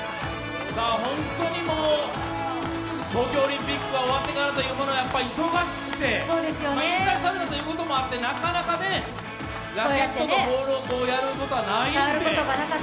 本当に東京オリンピックが終わってからというもの忙しくて、引退されたということもあってなかなかラケットとボールをやることはないんで。